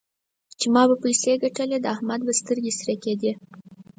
چې ما به پيسې ګټلې؛ د احمد به سترګې سرې کېدې.